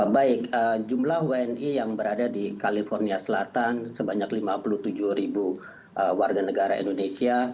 baik jumlah wni yang berada di california selatan sebanyak lima puluh tujuh ribu warga negara indonesia